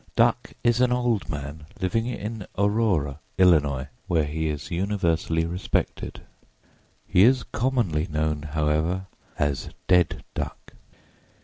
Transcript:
Duck is an old man living in Aurora, Illinois, where he is universally respected. He is commonly known, however, as "Dead Duck."